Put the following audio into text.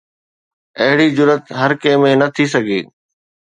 اهڙي جرئت هر ڪنهن ۾ نه ٿي سگهي.